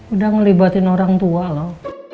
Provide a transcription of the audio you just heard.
udah ngelibatin orang tua loh